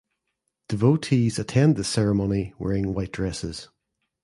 Devotees attend this ceremony wearing white dresses.